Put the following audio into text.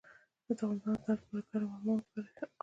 د تخمدان د درد لپاره ګرم حمام وکړئ